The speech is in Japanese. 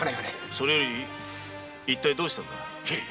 それより一体どうしたのだ？